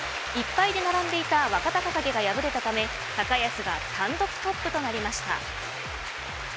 １敗で並んでいた若隆景が敗れたため高安が単独トップとなりました。